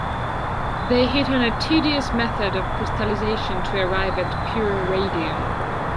They hit on a tedious method of crystallization to arrive at pure radium.